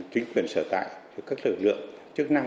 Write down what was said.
chính quyền sở tại các lực lượng chức năng